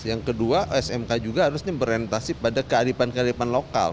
yang kedua smk juga harusnya berorientasi pada kearifan kearifan lokal